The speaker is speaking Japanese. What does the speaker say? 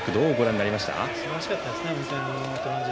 すばらしかったですね。